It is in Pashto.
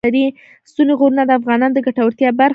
ستوني غرونه د افغانانو د ګټورتیا برخه ده.